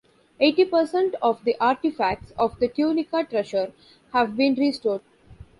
Eighty percent of the artifacts of the Tunica Treasure have been restored.